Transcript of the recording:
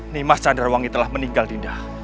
nih mas jandrawangi telah meninggal dinda